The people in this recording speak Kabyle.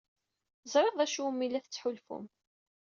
Ẓriɣ d acu umi la tettḥulfum.